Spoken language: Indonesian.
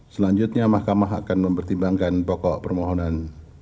selanjutnya mahkamah akan mempertimbangkan pokok permohonan